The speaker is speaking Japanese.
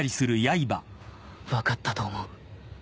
分かったと思う